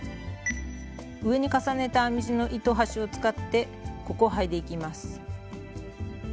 上に重ねた編み地の糸端を使ってここをはいでいきます。